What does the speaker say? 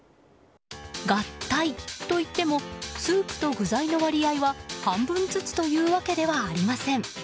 合体といってもスープと具材の割合は半分ずつというわけではありません。